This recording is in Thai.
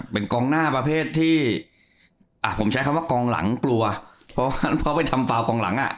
เป็นกองหน้าประเภทที่อ่ะผมใช้คำว่ากองหลังกลัวเพราะไปทำฟาวกองหลังอ่ะ